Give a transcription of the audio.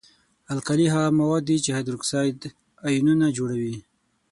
القلي هغه مواد دي چې هایدروکساید آیونونه جوړوي.